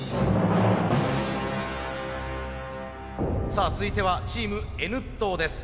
さあ続いてはチームＮットーです。